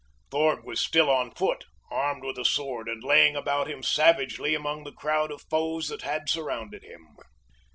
Thorg was still on foot, armed with a sword, and laying about him savagely among the crowd of foes that had surrounded him.